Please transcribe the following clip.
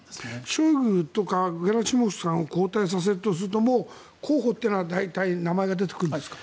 ショイグとかゲラシモフさんを交代させるとすると候補というのは大体名前が出てくるんですか。